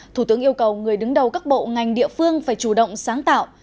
thủ tướng yêu cầu người đứng đầu các bộ ngành địa phương phải chủ động sáng tạo